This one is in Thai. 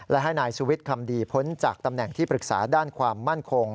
และให้นายสุวิทย์คำดีพ้นจากตำแหน่งที่ปรึกษาด้านความมั่นคง